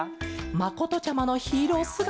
まことちゃまのヒーローすがた。